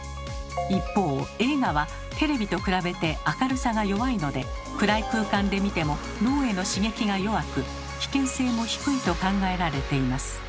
一方映画はテレビと比べて明るさが弱いので暗い空間で見ても脳への刺激が弱く危険性も低いと考えられています。